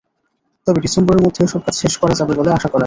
তবে ডিসেম্বরের মধ্যে এসব কাজ শেষ করা যাবে বলে আশা করা যায়।